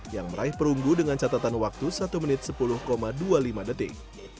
yang meraih perunggu dengan catatan waktu satu menit sepuluh dua puluh lima detik